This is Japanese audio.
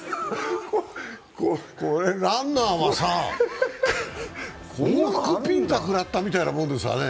これ、ランナーはさ、往復ビンタくらったみたいなもんですわね。